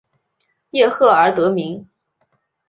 叶赫而得名。